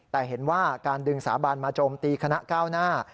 แต่เห็นว่าการดึงสาบานมาโจมตีคณะก้าวหน้า